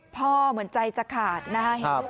พ่อเหมือนใจจะขาดนะครับ